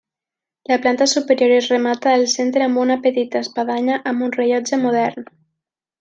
La planta superior es remata al centre amb una petita espadanya amb un rellotge modern.